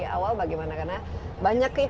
awal bagaimana karena banyak